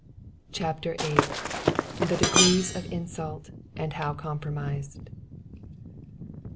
CHAPTER VIII. The Degrees of Insult, and How Compromised 1.